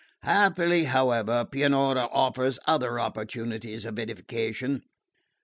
Happily, however, Pianura offers other opportunities of edification.